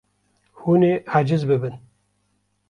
Hûn ê aciz bibin.